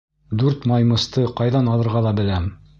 Дүрт маймысты ҡайҙан алырға ла беләм.